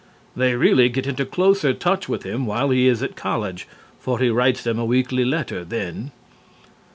They really get into closer touch with him while he is at college, for he writes them a weekly letter then.